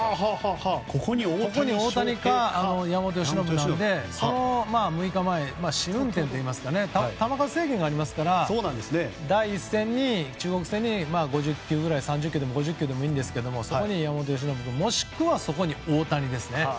ここに大谷か山本由伸なので６日前は試運転といいますか球数制限がありますから第１戦に中国戦に５０球でも３０球でもいいですがそこに山本由伸君、もしくは大谷ですね。